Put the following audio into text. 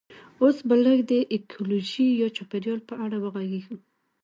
اوس به لږ د ایکولوژي یا چاپیریال په اړه وغږیږو